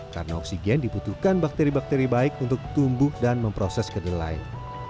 karena oksigen dibutuhkan bakteri bakteri baik untuk tumbuh dan memproses kedelain